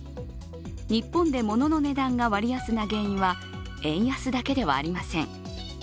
日本でモノの値段が割安な原因は円安だけではありません。